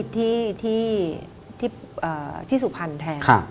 ที่สุพรรณแทน